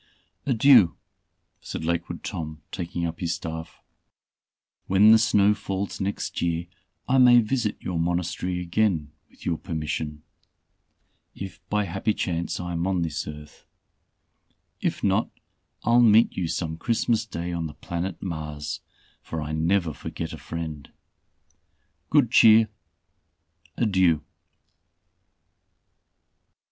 "Adieu," said Lakewood Tom, taking up his staff, "when the snow falls next year I may visit your Monastery again with your permission, if by happy chance I am on this earth. If not, I'll meet you some Christmas day on the planet Mars, for I never forget a friend. Good cheer! Adieu."